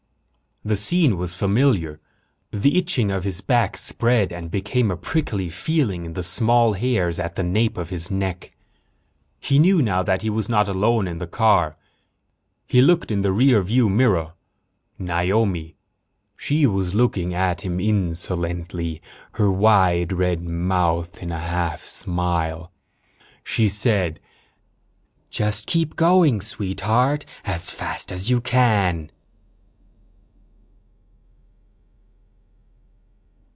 The scene was familiar. The itching of his back spread and became a prickly feeling in the small hairs at the nape of his neck. He knew now that he was not alone in the car. He looked in the rear view mirror. Naomi. She was looking at him insolently, her wide red mouth in a half smile. She said: "Just keep going, Sweetheart, as fast as you can."